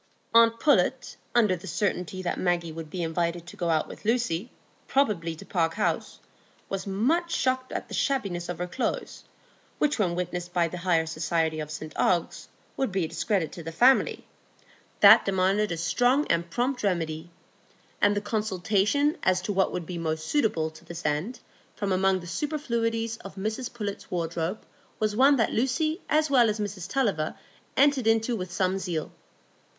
Aunt Pullet, under the certainty that Maggie would be invited to go out with Lucy, probably to Park House, was much shocked at the shabbiness of her clothes, which when witnessed by the higher society of St Ogg's, would be a discredit to the family, that demanded a strong and prompt remedy; and the consultation as to what would be most suitable to this end from among the superfluities of Mrs Pullet's wardrobe was one that Lucy as well as Mrs Tulliver entered into with some zeal.